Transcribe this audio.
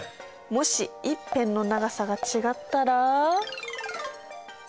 もし１辺の長さが違ったら。